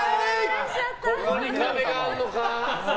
ここに壁があるのか。